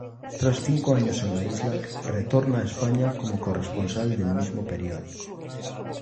Tras cinco años en la isla, retorna a España como corresponsal del mismo periódico.